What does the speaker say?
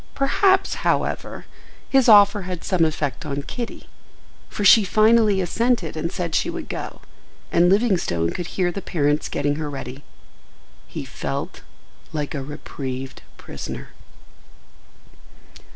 Perhaps, however, his offer had some effect on Kitty, for she finally assented and said she would go, and Livingstone could hear the parents getting her ready. He felt like a reprieved prisoner.